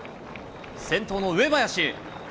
先頭の上林。